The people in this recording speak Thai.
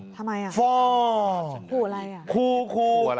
ทำไมอ่ะฟอร์คู่อะไรอ่ะคู่